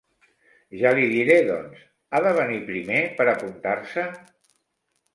Ja li diré doncs, ha de venir primer per apuntar-se?